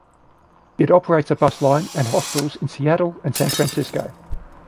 It operates a bus line, and hostels in Seattle and San Francisco.